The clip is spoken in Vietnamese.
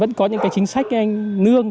vẫn có những chính sách nương